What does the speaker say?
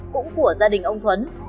cũng của gia đình ông tuấn